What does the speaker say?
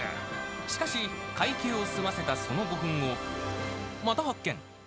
しかし、会計を済ませたその５分後、また発見。